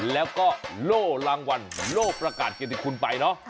แล้วก็โล่รางวัลโล่ประกาศเกียรติคุณไปเนาะ